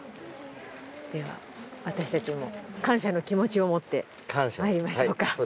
では私たちも感謝の気持ちを持ってまいりましょうか。